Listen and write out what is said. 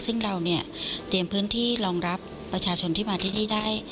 ซึ่งเราเนี่ยเตรียมพื้นที่รองรับประชาชนที่มาที่นี่ได้